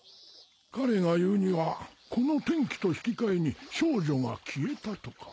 彼が言うにはこの天気と引き換えに少女が消えたとか。